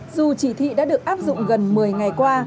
dù chỉ thị đã được áp dụng gần một mươi ngày qua